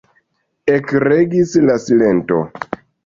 Ekregis la silento.